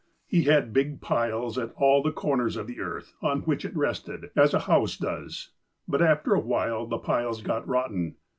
He bad big piles at all the coruers of the earth, on which it rested, as a house does ; but, after a while, the piles got rotten.